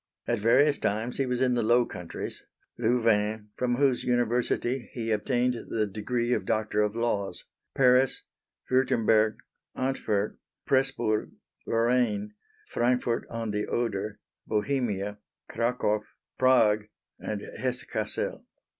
At various times he was in the Low Countries, Louvain (from whose University he obtained the degree of LL.D.), Paris, Wurtemberg, Antwerp, Presburg, Lorraine, Frankfort on the Oder, Bohemia, Cracow, Prague, and Hesse Cassel.